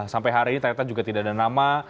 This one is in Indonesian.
sampai hari ini ternyata juga tidak ada nama